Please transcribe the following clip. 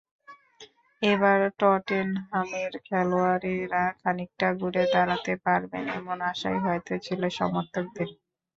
এবার টটেনহামের খেলোয়াড়েরা খানিকটা ঘুরে দাঁড়াতে পারবেন, এমন আশাই হয়তো ছিল সমর্থকদের।